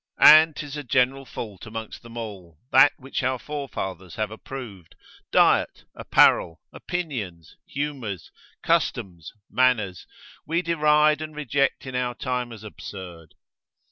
And 'tis a general fault amongst them all, that which our forefathers have approved, diet, apparel, opinions, humours, customs, manners, we deride and reject in our time as absurd.